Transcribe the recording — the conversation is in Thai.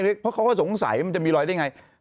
เพราะเขาก็สงสัยมันจะมีรอยได้ไง